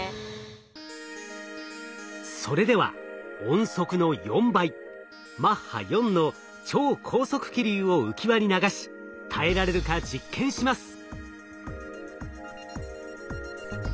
それでは音速の４倍マッハ４の超高速気流を浮き輪に流し耐えられるか実験します。